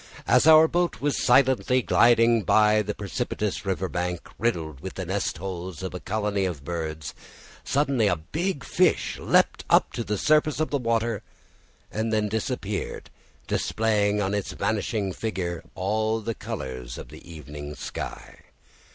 As our boat was silently gliding by the precipitous river bank, riddled with the nest holes of a colony of birds, suddenly a big fish leapt up to the surface of the water and then disappeared, displaying on its vanishing figure all the colours of the evening sky.